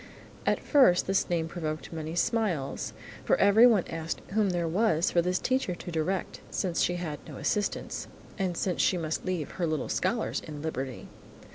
At first this name provoked many smiles, for everyone asked whom there was for this teacher to direct, since she had no assistants, and since she must leave her little scholars in liberty.